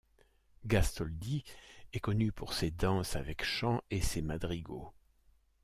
Gastoldi est connu pour ses danses avec chant et ses madrigaux.